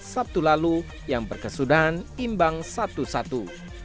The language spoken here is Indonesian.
sabtu lalu yang berkesudahan imbang satu satu